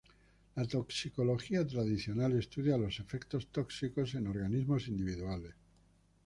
La toxicología tradicional estudia los efectos tóxicos en organismos individuales.